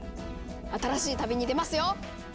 新しい旅に出ますよ！